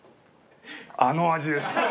あの味ですよね。